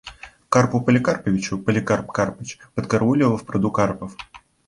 Карпу Поликарповичу Поликарп Карпыч подкарауливал в пруду карпов.